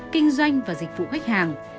kinh doanh và dịch vụ khách hàng